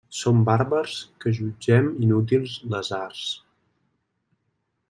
Som bàrbars que jutgem inútils les arts.